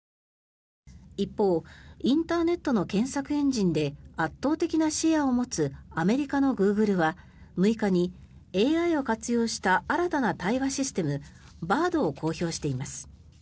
一方インターネットの検索エンジンで圧倒的なシェアを持つアメリカのグーグルは６日にＡＩを活用した新たな対話システムＢａｒｄを公表しています。